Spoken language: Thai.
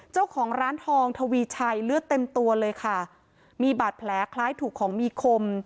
เจ้าของร้านทองทวีชัยเลือดเต็มตัวเลยค่ะมีบาดแผลคล้ายถูกของมีคม